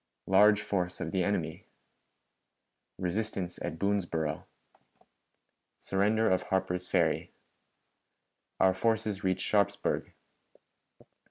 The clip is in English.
Large Force of the Enemy. Resistance at Boonesboro. Surrender of Harper's Ferry. Our Forces reach Sharpsburg.